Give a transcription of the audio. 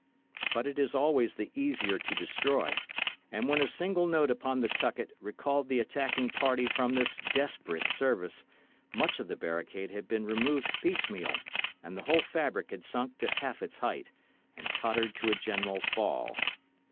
But it is always the easier to destroy; and when a single note upon the tucket recalled the attacking party from this desperate service, much of the barricade had been removed piecemeal, and the whole fabric had sunk to half its height, and tottered to a general fall.